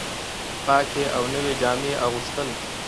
پاکې او نوې جامې اغوستل